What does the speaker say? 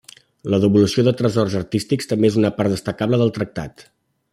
La devolució de tresors artístics també és una part destacable del tractat.